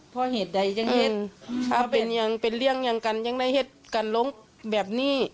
เพราะเหตุใดยังเห็นถ้าเป็นเรื่องอย่างกันยังได้เห็นกันลงแบบนี้